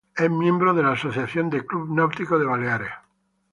Es miembro de la Asociación de Clubes Náuticos de Baleares.